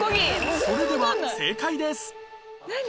それでは正解です